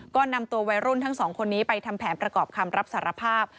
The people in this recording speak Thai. ก็นำตัววัยรุ่นทั้งสองคนนี้ไปทำแผนประกอบคำรับสารภาพ